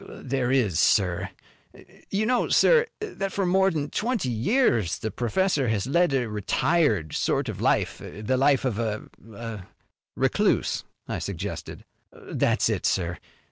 There is, sir. You know, sir, that for more'n twenty years the professor has led a retired sort of life; the life of a a " "Recluse," I suggested. "That's it, sir.